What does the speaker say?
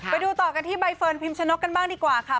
ไปดูต่อกันที่ใบเฟิร์นพิมชนกกันบ้างดีกว่าค่ะ